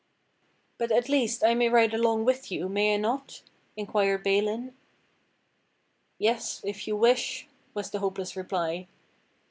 "But at least I may ride along with you, may I not?" inquired Balin. "Yes, if you wish," was the hopeless reply.